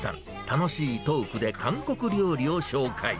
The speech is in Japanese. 楽しいトークで韓国料理を紹介。